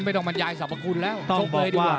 บรรยายสรรพคุณแล้วชกเลยดีกว่า